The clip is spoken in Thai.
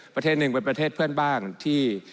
ประเทศหนึ่งเป็นประเทศเพื่อนบ้านที่